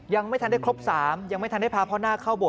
ยังไม่ทันครบสามยังไม่ทันได้พาพ่อหน้า